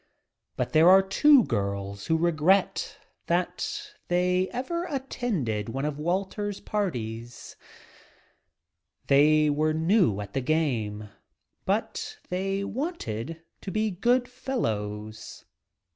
But there are two young girls who regret that ever attended one of Walter's parties; were new at the game, but they wanted to be fellows."